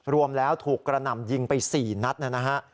รวมแล้วถูกกระหน่ำยิงไป๔นัดนะฮะ